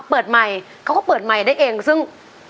เปิดไมค์เขาก็เปิดไมค์ได้เองซึ่ง